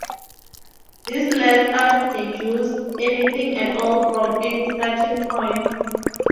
This lets us deduce anything at all from any starting point.